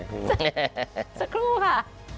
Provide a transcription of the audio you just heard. สักครู่ค่ะ